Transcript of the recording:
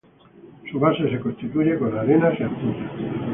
Su base se constituye con arenas y arcillas.